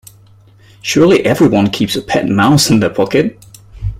Surely everyone keeps a pet mouse in their pocket?